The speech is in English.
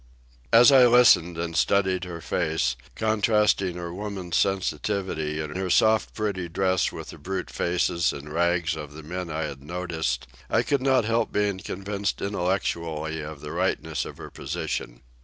As I listened, and studied her face, contrasting her woman's sensitivity and her soft pretty dress with the brute faces and rags of the men I had noticed, I could not help being convinced intellectually of the rightness of her position.